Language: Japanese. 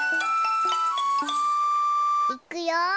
いくよ。